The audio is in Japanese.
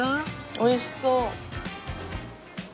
おいしそう。